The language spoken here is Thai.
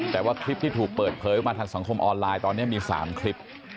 แต่ว่าคลิปที่ถูกเปิดเผยออกมาทางสังคมออนไลน์ตอนนี้มี๓คลิป